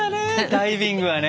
ダイビングはね。